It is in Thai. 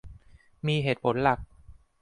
มีเหตุผลหลัก